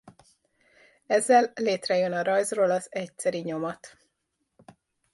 Ezzel létrejön a rajzról az egyszeri nyomat.